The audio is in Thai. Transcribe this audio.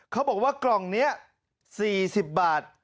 เขาบอกว่ากล่องนี้๔๐บาท